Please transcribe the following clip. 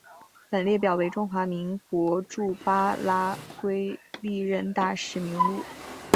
本列表为中华民国驻巴拉圭历任大使名录。